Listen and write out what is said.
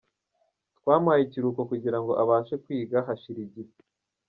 Twamuhaye ikiruhuko kugirango abashe kwiga, hashira igihe.